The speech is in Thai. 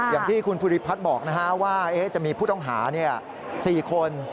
อย่างที่คุณพุทธิพัฒน์บอกนะครับว่าจะมีผู้ต้องหา๔คน